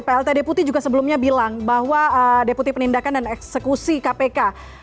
plt deputi juga sebelumnya bilang bahwa deputi penindakan dan eksekusi kpk